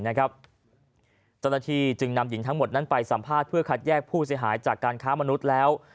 เจ้าหน้าที่จึงนำหญิงทั้งหมดนั้นไปสัมภาษณ์เพื่อคัดแยกผู้เสียหายจากการค้ามนุษย์แล้ว